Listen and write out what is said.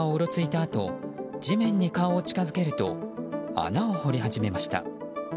あと地面に顔を近づけると穴を掘り始めました。